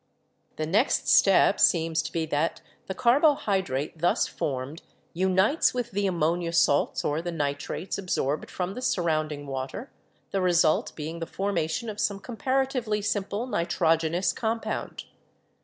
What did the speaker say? "The next step seems to be that the carbohydrate thus formed unites with the ammonia salts or the nitrates ab sorbed from the surrounding water, the result being the formation of some comparatively simple nitrogenous com pound.